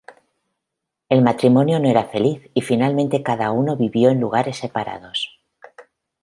El matrimonio no era feliz, y finalmente cada uno vivió en lugares separados.